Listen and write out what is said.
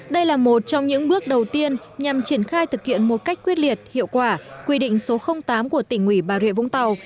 đây là một trong những bước đầu tiên nhằm triển khai thực hiện một cách quyết liệt hiệu quả quy định số tám của tỉnh ủy bà rịa vũng tàu